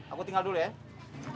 aku tinggal dulu ya